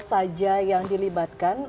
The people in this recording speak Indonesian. saja yang dilibatkan